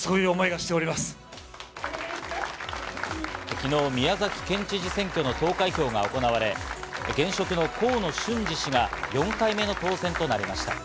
昨日、宮崎県知事選挙の投開票が行われ、現職の河野俊嗣氏が４回目の当選となりました。